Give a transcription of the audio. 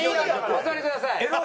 お座りください。